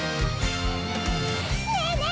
ねえねえ